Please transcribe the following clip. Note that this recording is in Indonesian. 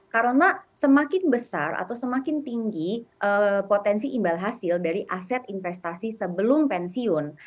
karena semakin besar atau semakin tinggi potensi imbal hasil dari aset investasi sebelum pensiun